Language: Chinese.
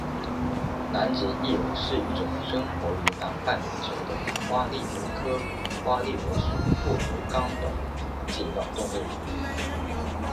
南极笠螺是一种生活于南半球的花笠螺科花笠螺属腹足纲软体动物。